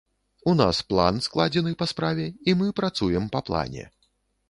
У нас план складзены па справе, і мы працуем па плане.